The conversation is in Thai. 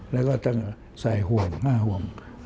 แล้วก็ต้องใส่ห่วง๕ห่วง